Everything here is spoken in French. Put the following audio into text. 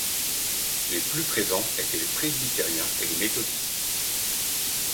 Les plus présents étaient les presbytériens et les méthodistes.